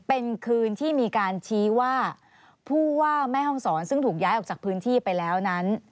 เป็นคืนที่มีการชี้ว่าผู้ว่าแม่ห้องศรซึ่งถูกย้ายออกจากพื้นที่ไปแล้วนั้น